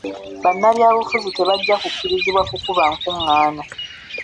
Bannabyabufuzi tebajja kukkirizibwa kukuba nkungaana.